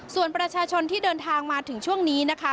ส่วนประชาชนที่เดินทางมาถึงช่วงนี้นะคะ